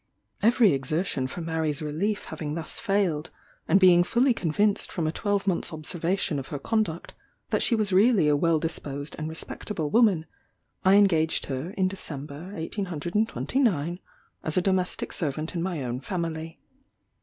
Every exertion for Mary's relief having thus failed; and being fully convinced from a twelvemonth's observation of her conduct, that she was really a well disposed and respectable woman; I engaged her, in December 1829, as a domestic servant in my own family.